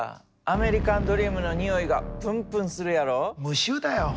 アメリカンドリームのにおいがプンプンするやろ？